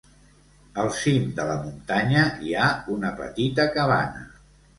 Al cim de la muntanya hi ha una petita cabana.